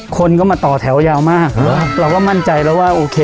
คนก็มาต่อแถวยาวมากเราก็มั่นใจแล้วว่าโอเค